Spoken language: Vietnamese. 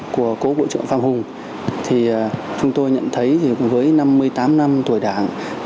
của cố bộ trưởng phạm hùng thì chúng tôi nhận thấy với năm mươi tám năm tuổi đảng